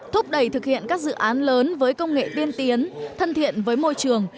thúc đẩy thực hiện các dự án lớn với công nghệ tiên tiến thân thiện với môi trường